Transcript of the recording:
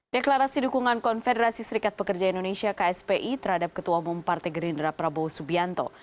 deklarasi dukungan konfederasi serikat pekerja indonesia kspi terhadap ketua umum partai gerindra prabowo subianto